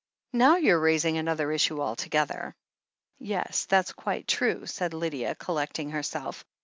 "Now you're raising another issue altogether." "Yes, that's quite true," said Lydia, collecting her self.